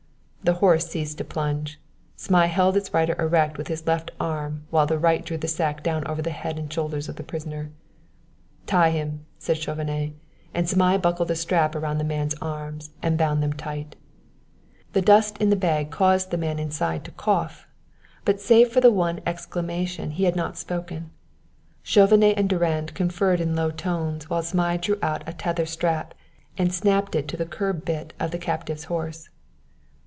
The horse ceased to plunge; Zmai held its rider erect with his left arm while the right drew the sack down over the head and shoulders of the prisoner. "Tie him," said Chauvenet; and Zmai buckled a strap about the man's arms and bound them tight. The dust in the bag caused the man inside to cough, but save for the one exclamation he had not spoken. Chauvenet and Durand conferred in low tones while Zmai drew out a tether strap and snapped it to the curb bit of the captive's horse.